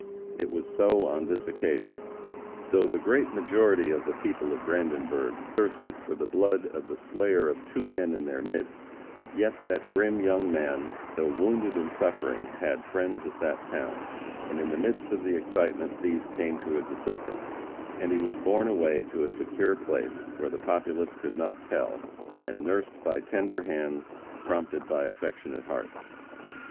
It was so on this occasion. Though the great majority of the people of Brandenburg thirsted for the blood of the slayer of two men in their midst, yet that grim young man, though wounded and suffering, had friends at that town, and in the midst of the excitement, these came to his assistance, and he was borne away to a secure place, where the populace could not tell, and nursed by tender hands prompted by affectionate hearts.